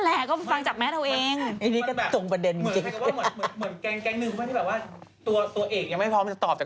แล้วเราล่ะเขาก็ไม่รู้ไงคือเขาก็ไม่รู้ว่าแบบ